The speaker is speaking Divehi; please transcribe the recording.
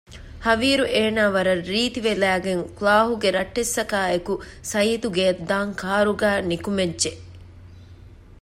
ހަވީރު އޭނާ ވަރަށް ރީތިވެލައިގެން ކުލާހުގެ ރައްޓެއްސަކާއެކު ސަޢީދު ގެއަށް ދާން ކާރުގައި ނުކުމެއްޖެ